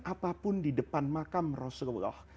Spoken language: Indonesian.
apapun di depan makam rasulullah